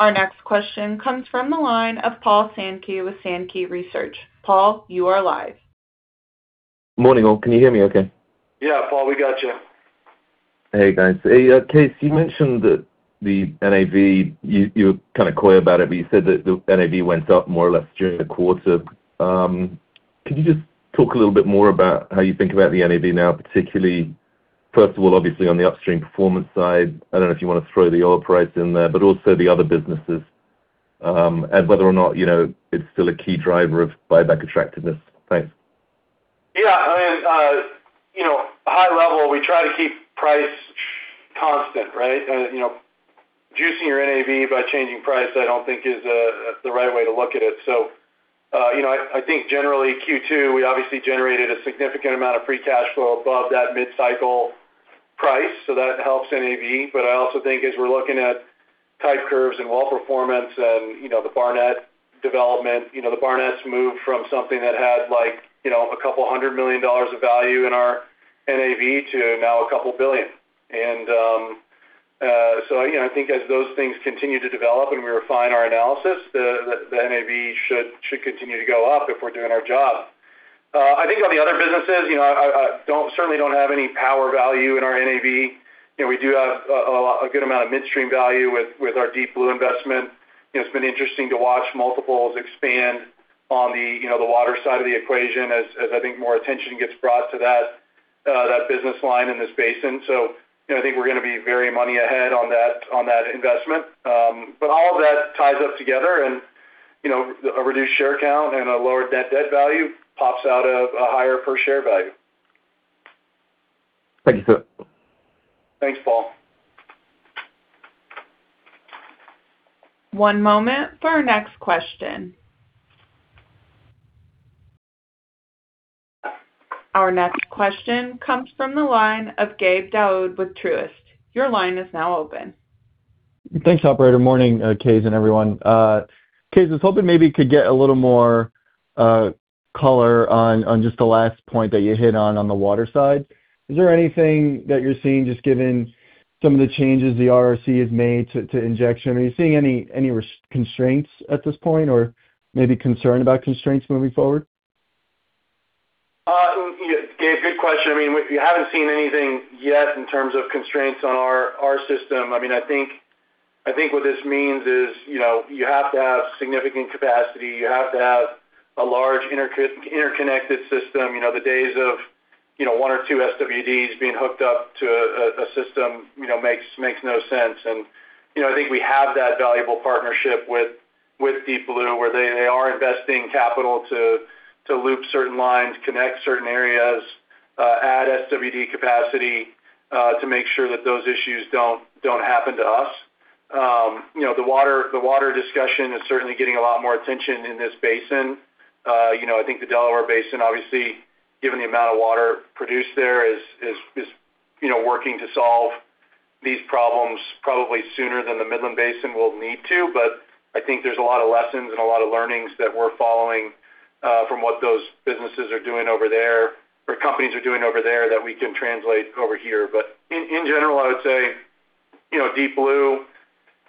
Our next question comes from the line of Paul Sankey with Sankey Research. Paul, you are live. Morning all. Can you hear me okay? Yeah, Paul, we got you. Hey, guys. Hey, Kaes, you mentioned that the NAV, you were kind of coy about it, but you said that the NAV went up more or less during the quarter. Can you just talk a little bit more about how you think about the NAV now, particularly, first of all, obviously on the upstream performance side, I don't know if you want to throw the oil price in there, but also the other businesses, and whether or not it's still a key driver of buyback attractiveness. Thanks. Yeah. High level, we try to keep price constant, right? Juicing your NAV by changing price, I don't think is the right way to look at it. I think generally Q2, we obviously generated a significant amount of free cash flow above that mid-cycle price. That helps NAV. I also think as we're looking at type curves and well performance and the Barnett development. The Barnett's moved from something that had a couple hundred million dollars of value in our NAV to now a couple billion. I think as those things continue to develop and we refine our analysis, the NAV should continue to go up if we're doing our job. I think on the other businesses, I certainly don't have any power value in our NAV. We do have a good amount of midstream value with our Deep Blue investment. It's been interesting to watch multiples expand on the water side of the equation as I think more attention gets brought to that business line in this basin. I think we're going to be very money ahead on that investment. All of that ties up together and a reduced share count and a lower net debt value pops out of a higher per share value. Thank you, sir. Thanks, Paul. One moment for our next question. Our next question comes from the line of Gabe Daoud with Truist. Your line is now open. Thanks, operator. Morning, Kaes and everyone. Kaes, I was hoping maybe could get a little more color on just the last point that you hit on the water side. Is there anything that you're seeing, just given some of the changes the RRC has made to injection? Are you seeing any constraints at this point or maybe concerned about constraints moving forward? Gabe, good question. We haven't seen anything yet in terms of constraints on our system. I think what this means is you have to have significant capacity. You have to have a large interconnected system. The days of one or two SWDs being hooked up to a system makes no sense. I think we have that valuable partnership with Deep Blue, where they are investing capital to loop certain lines, connect certain areas, add SWD capacity, to make sure that those issues don't happen to us. The water discussion is certainly getting a lot more attention in this basin. I think the Delaware Basin, obviously, given the amount of water produced there is working to solve these problems probably sooner than the Midland Basin will need to. I think there's a lot of lessons and a lot of learnings that we're following, from what those businesses are doing over there, or companies are doing over there that we can translate over here. In general, I would say Deep Blue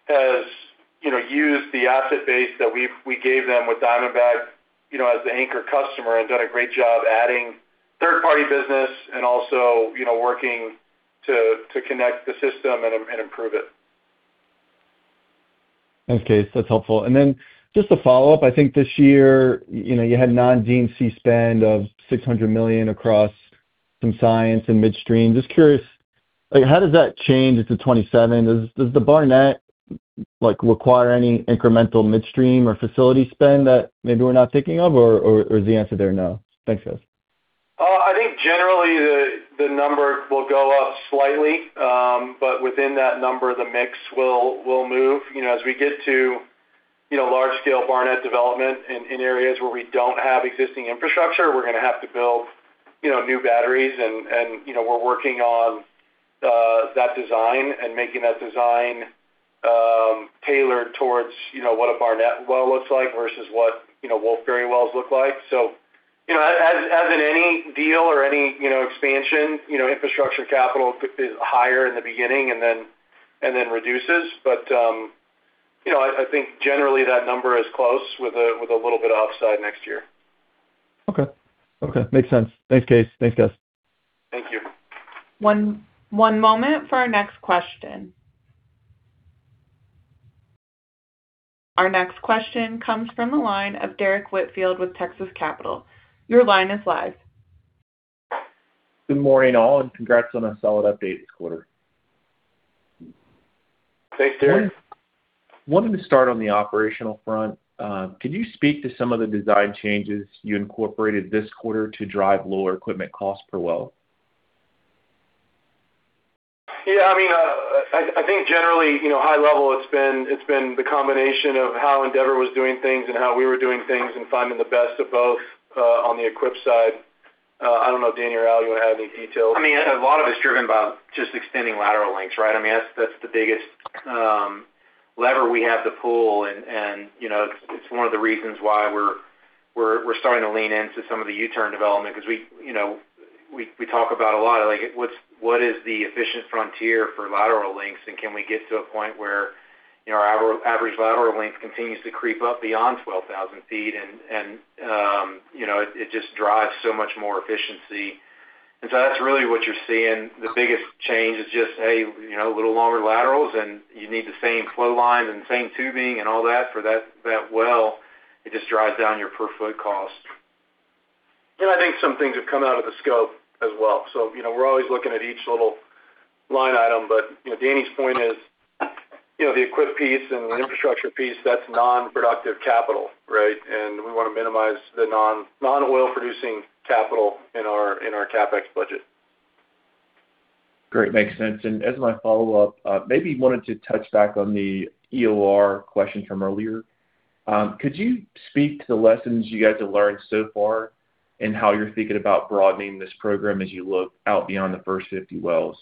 has used the asset base that we gave them with Diamondback as the anchor customer and done a great job adding third-party business and also working to connect the system and improve it. Thanks, Kaes. That's helpful. Just a follow-up, I think this year, you had non-D&C spend of $600 million across some science and midstream. Just curious. How does that change into 2027? Does the Barnett require any incremental midstream or facility spend that maybe we're not thinking of, or is the answer there no? Thanks, Guys. I think generally the number will go up slightly. Within that number, the mix will move. As we get to large scale Barnett development in areas where we don't have existing infrastructure, we're going to have to build new batteries, and we're working on that design and making that design tailored towards what a Barnett well looks like versus what Wolfberry wells look like. As in any deal or any expansion, infrastructure capital is higher in the beginning and then reduces. I think generally that number is close with a little bit upside next year. Okay. Makes sense. Thanks, Kaes. Thanks, Guys. Thank you. One moment for our next question. Our next question comes from the line of Derrick Whitfield with Texas Capital. Your line is live. Good morning, all. Congrats on a solid update this quarter. Thanks, Derrick. Wanted to start on the operational front. Could you speak to some of the design changes you incorporated this quarter to drive lower equipment cost per well? Yeah. I think generally, high level it's been the combination of how Endeavor was doing things and how we were doing things and finding the best of both, on the equip side. I don't know if Danny or Al you want to add any details? A lot of it's driven by just extending lateral lengths, right? That's the biggest lever we have to pull, and it's one of the reasons why we're starting to lean into some of the U-turn development because we talk about a lot. What is the efficient frontier for lateral lengths, and can we get to a point where our average lateral length continues to creep up beyond 12,000 feet? It just drives so much more efficiency. That's really what you're seeing. The biggest change is just a little longer laterals, and you need the same flow line and same tubing and all that for that well. It just drives down your per foot cost. I think some things have come out of the scope as well. We're always looking at each little line item. Danny's point is, the equip piece and the infrastructure piece, that's non-productive capital, right? We want to minimize the non-oil producing capital in our CapEx budget. Great. Makes sense. As my follow-up, maybe wanted to touch back on the EOR question from earlier. Could you speak to the lessons you guys have learned so far and how you're thinking about broadening this program as you look out beyond the first 50 wells?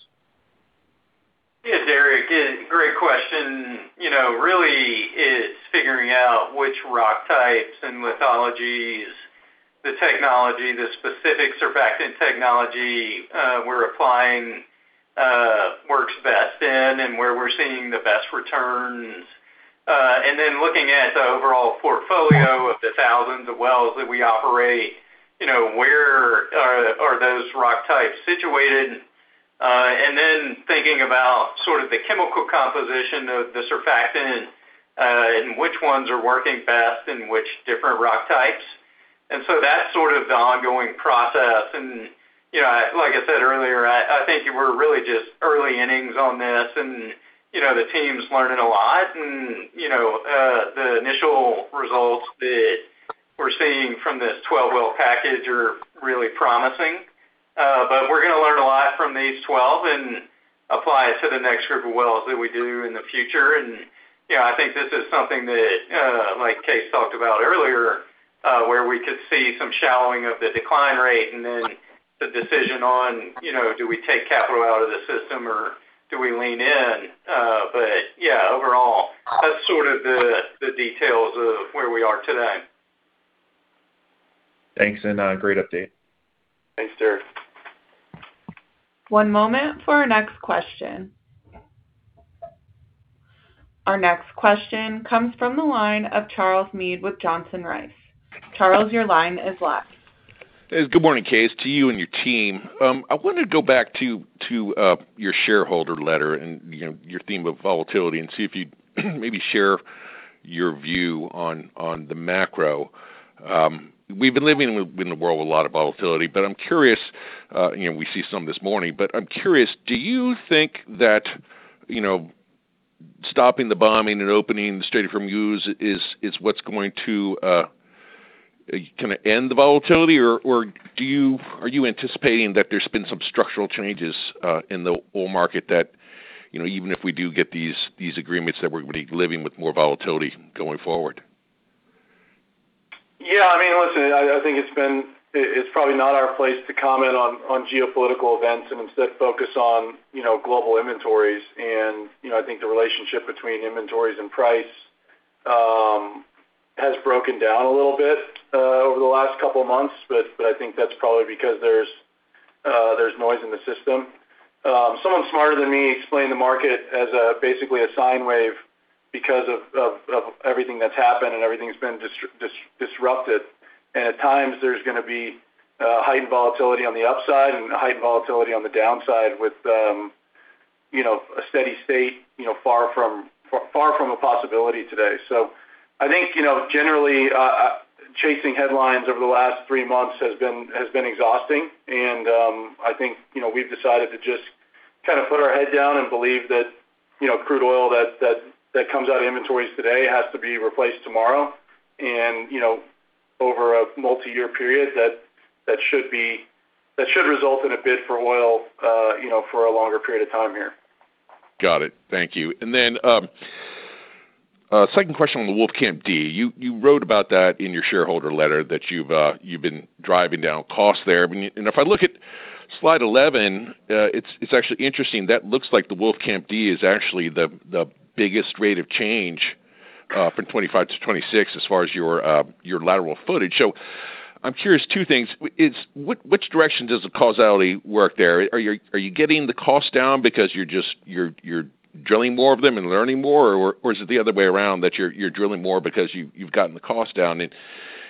Yes, Derrick. Great question. Really, it's figuring out which rock types and lithologies, the technology, the specific surfactant technology we're applying works best in, and where we're seeing the best returns. Looking at the overall portfolio of the thousands of wells that we operate. Where are those rock types situated? Thinking about sort of the chemical composition of the surfactant, and which ones are working best in which different rock types. That's sort of the ongoing process. Like I said earlier, I think we're really just early innings on this, and the team's learning a lot. The initial results that we're seeing from this 12-well package are really promising. We're going to learn a lot from these 12 and apply it to the next group of wells that we do in the future. I think this is something that, like Kaes talked about earlier, where we could see some shallowing of the decline rate then the decision on do we take capital out of the system or do we lean in? Yeah, overall, that's sort of the details of where we are today. Thanks, great update. Thanks, Derrick. One moment for our next question. Our next question comes from the line of Charles Meade with Johnson Rice. Charles, your line is live. Good morning, Kaes, to you and your team. I wanted to go back to your shareholder letter and your theme of volatility and see if you'd maybe share your view on the macro. We've been living in a world with a lot of volatility, but I'm curious, we see some this morning, but I'm curious, do you think that stopping the bombing and opening the Strait of Hormuz is what's going to end the volatility, or are you anticipating that there's been some structural changes in the oil market that even if we do get these agreements, that we're going to be living with more volatility going forward? Yeah. Listen, I think it's probably not our place to comment on geopolitical events and instead focus on global inventories. I think the relationship between inventories and price has broken down a little bit over the last couple of months. I think that's probably because there's noise in the system. Someone smarter than me explained the market as basically a sine wave because of everything that's happened and everything's been disrupted. At times there's going to be heightened volatility on the upside and heightened volatility on the downside with a steady state far from a possibility today. I think generally chasing headlines over the last three months has been exhausting, and I think we've decided to just put our head down and believe that crude oil that comes out of inventories today has to be replaced tomorrow. Over a multi-year period, that should result in a bid for oil for a longer period of time here. Got it. Thank you. Second question on the Wolfcamp D. You wrote about that in your shareholder letter that you've been driving down costs there. If I look at slide 11, it's actually interesting. That looks like the Wolfcamp D is actually the biggest rate of change from 2025 to 2026 as far as your lateral footage. I'm curious, two things, which direction does the causality work there? Are you getting the cost down because you're drilling more of them and learning more, or is it the other way around, that you're drilling more because you've gotten the cost down?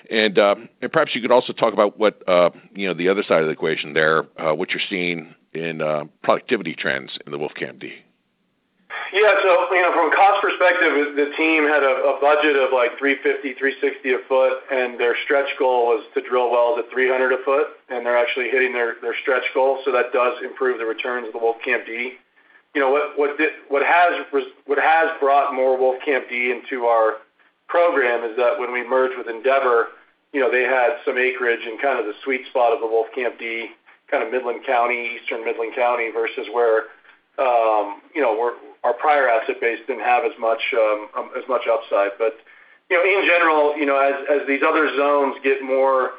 Perhaps you could also talk about the other side of the equation there, what you're seeing in productivity trends in the Wolfcamp D. Yeah. From a cost perspective, the team had a budget of like 350, 360 a foot, their stretch goal was to drill wells at 300 a foot, they're actually hitting their stretch goal, that does improve the returns of the Wolfcamp D. What has brought more Wolfcamp D into our program is that when we merged with Endeavor, they had some acreage in kind of the sweet spot of the Wolfcamp D, kind of Midland County, Eastern Midland County, versus where our prior asset base didn't have as much upside. In general, as these other zones get more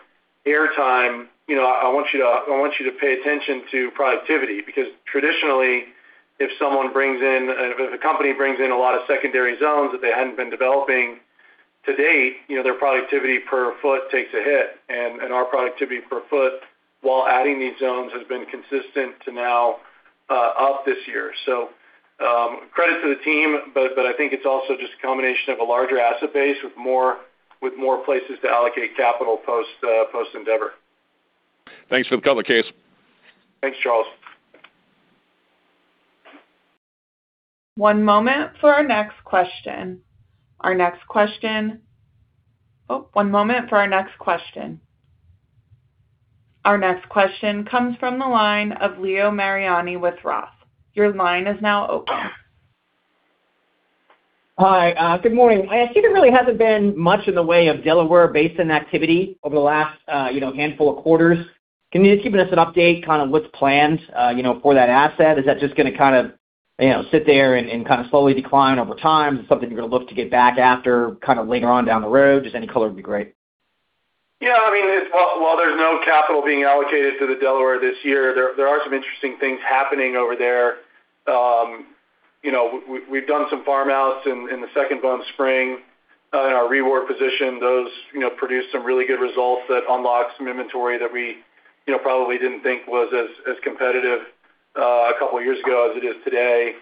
air time, I want you to pay attention to productivity because traditionally, if a company brings in a lot of secondary zones that they hadn't been developing to date, their productivity per foot takes a hit. Our productivity per foot while adding these zones has been consistent to now up this year. Credit to the team, I think it's also just a combination of a larger asset base with more places to allocate capital post-Endeavor. Thanks for the color, Kaes. Thanks, Charles. One moment for our next question. One moment for our next question. Our next question comes from the line of Leo Mariani with Roth. Your line is now open. Hi, good morning. I see there really hasn't been much in the way of Delaware Basin activity over the last handful of quarters. Can you give us an update, kind of what's planned for that asset? Is that just going to sit there and kind of slowly decline over time? Is it something you're going to look to get back after kind of later on down the road? Just any color would be great. Yeah. While there's no capital being allocated to the Delaware this year, there are some interesting things happening over there. We've done some farm outs in the Second Bone Spring in our rework position. Those produced some really good results that unlocked some inventory that we probably didn't think was as competitive a couple of years ago as it is today.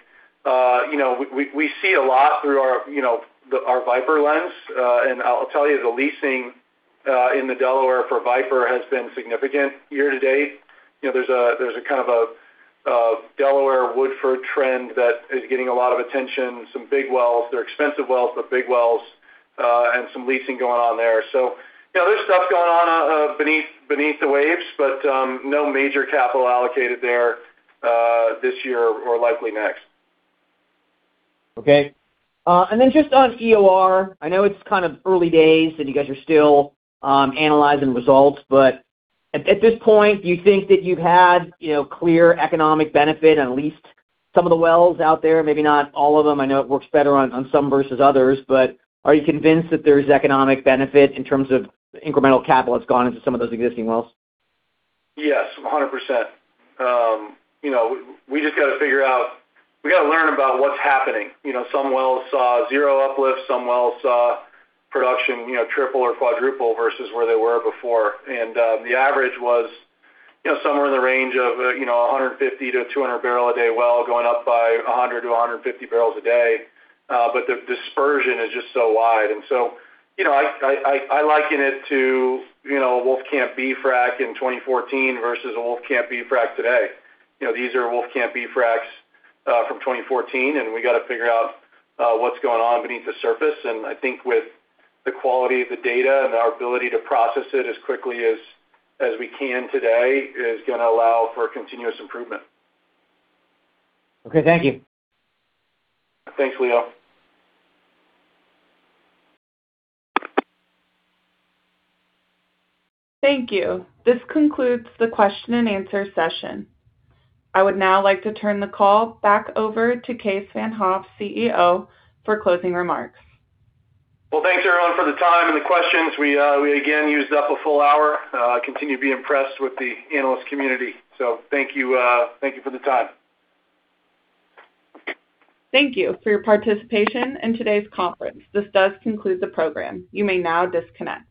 We see a lot through our Viper lens. I'll tell you, the leasing in the Delaware for Viper has been significant year to date. There's a kind of a Delaware Woodford trend that is getting a lot of attention. Some big wells. They're expensive wells, but big wells, and some leasing going on there. There's stuff going on beneath the waves, but no major capital allocated there this year or likely next. Okay. Just on EOR, I know it's kind of early days, and you guys are still analyzing results, but at this point, do you think that you've had clear economic benefit on at least some of the wells out there? Maybe not all of them. I know it works better on some versus others, but are you convinced that there's economic benefit in terms of incremental capital that's gone into some of those existing wells? Yes, 100%. We just got to figure out. We got to learn about what's happening. Some wells saw zero uplift. Some wells saw production triple or quadruple versus where they were before. The average was somewhere in the range of 150 to 200 barrel a day well going up by 100 to 150 barrels a day. The dispersion is just so wide. I liken it to Wolfcamp B frack in 2014 versus a Wolfcamp B frack today. These are Wolfcamp B fracks from 2014. We got to figure out what's going on beneath the surface. I think with the quality of the data and our ability to process it as quickly as we can today is going to allow for continuous improvement. Okay. Thank you. Thanks, Leo. Thank you. This concludes the question-and-answer session. I would now like to turn the call back over to Kaes Van't Hof, CEO, for closing remarks. Well, thanks everyone for the time and the questions. We again used up a full hour. I continue to be impressed with the analyst community. Thank you for the time. Thank you for your participation in today's conference. This does conclude the program. You may now disconnect.